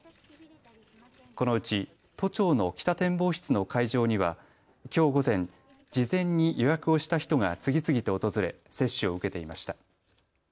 このうち都庁の北展望室の会場にはきょう午前事前に予約をした人が次々と訪れ接種を受けていました。